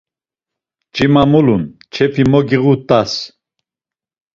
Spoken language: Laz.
Mç̌ima mulun, çefi mo giğut̆as!